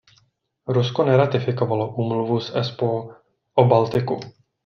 Rusko neratifikovalo Úmluvu z Espoo o Baltiku.